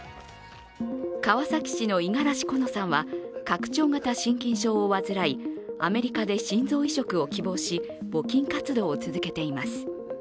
川崎市の五十嵐好乃さんは拡張型心筋症を患いアメリカで心臓移植を希望し、募金活動を続けています。